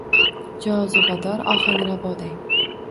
Jozibador ohanraboday.